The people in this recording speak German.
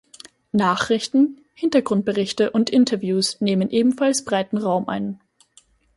Nachrichten, Hintergrundberichte und Interviews nehmen ebenfalls breiten Raum ein.